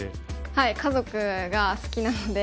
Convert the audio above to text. はい家族が好きなので。